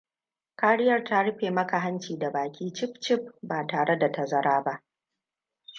Kariyar ta rufe maka hanci da baki cif-cif ba tare da tazara ba.